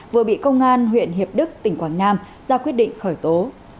vừa bị công an huyện hiệp đức tỉnh quảng nam ra quyết định khởi tố